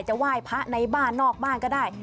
ไหว้พระในบ้านนอกบ้านก็ได้